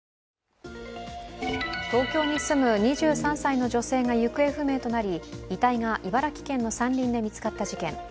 東京に住む２３歳の女性が行方不明となり、遺体が茨城県の山林で見つかった事件。